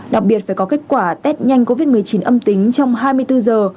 đặc biệt phải có kết quả test nhanh covid một mươi chín âm tính trong hai mươi bốn giờ